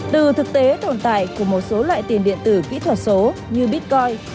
từ thực tế tồn tại của một số loại tiền điện tử kỹ thuật số như bitcoin